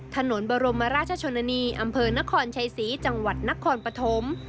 ถนนบรมราชชนนีอำเภอนครชัยศรีจังหวัดนครปฐม